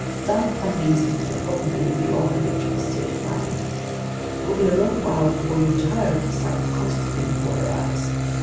Stunned amazement will probably be your habitual state of mind. It will be a long while before you tire of the sights constantly before your eyes.